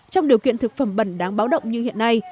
trong điều kiện thực phẩm bẩn đáng báo động như hiện nay